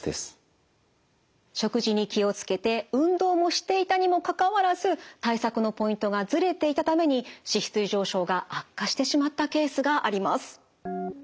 食事に気を付けて運動もしていたにもかかわらず対策のポイントがずれていたために脂質異常症が悪化してしまったケースがあります。